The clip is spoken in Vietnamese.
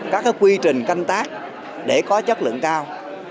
các quy trình canh tác để có chất lượng cao